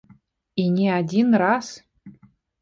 І не адзін раз.